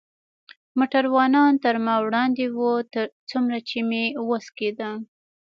موټروانان تر ما وړاندې و، څومره چې مې وس کېده.